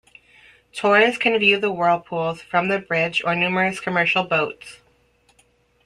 Tourists can view the whirlpools from the bridge or numerous commercial boats.